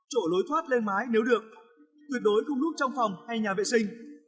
chổ lối thoát lên mái nếu được tuyệt đối không lúc trong phòng hay nhà vệ sinh